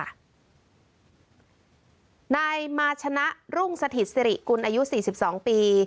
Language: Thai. นายมาชนะรุ่งสถิตสิริกุลอายุ๔๒ปี